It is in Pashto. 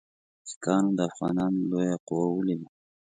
سیکهانو د افغانانو لویه قوه ولیده.